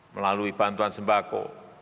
melalui bantuan sembako